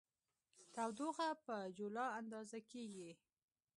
تودوخه په جولا اندازه کېږي.